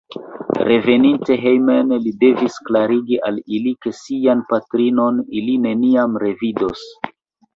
Reveninte hejmen, li devis klarigi al ili, ke sian patrinon ili neniam revidos.